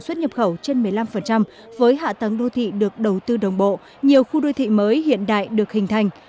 xuất nhập khẩu trên một mươi năm với hạ tầng đô thị được đầu tư đồng bộ nhiều khu đô thị mới hiện đại được hình thành